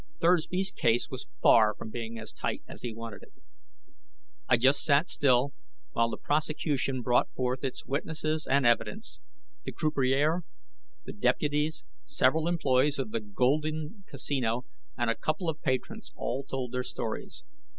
Thursby's case was far from being as tight as he wanted it. I just sat still while the prosecution brought forth its witnesses and evidence. The croupier, the deputies, several employees of the Golden Casino, and a couple of patrons all told their stories.